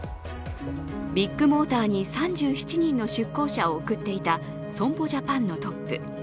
ビッグモーターに３７人の出向者を送っていた損保ジャパンのトップ。